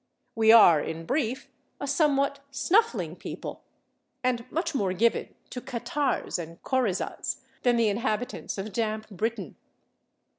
We are, in brief, a somewhat snuffling [Pg169] people, and much more given to catarrhs and coryzas than the inhabitants of damp Britain.